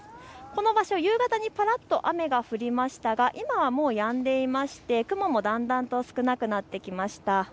この場所、夕方にぱらっと雨が降りましたが今はもうやんでいまして雲もだんだんと少なくなってきました。